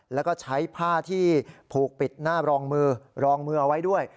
แล้วก็ใช้ผ้าที่ผูกปิดหน้ารองมือรองมือเอาไว้ด้วย